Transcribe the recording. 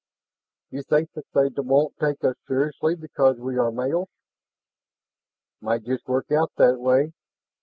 "You think that they won't take us seriously because we are males?" "Might just work out that way.